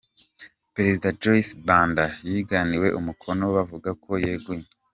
Perezida Joyce Banda yiganiwe umukono bavuga ko yeguye